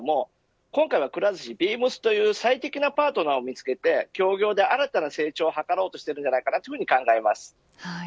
今回くら寿司はビームスという最適なパートナーを見付けて協業で新たな成長を図ろうとしているのではないかと考えます。